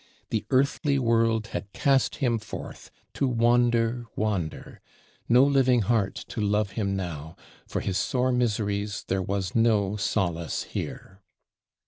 The earthly world had cast him forth, to wander, wander; no living heart to love him now; for his sore miseries there was no solace here.